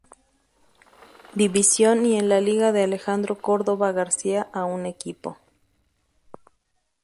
División y en la Liga de Alejandro Córdova García a un equipo.